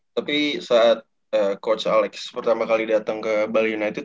tapi saat coach alex pertama kali datang ke bali united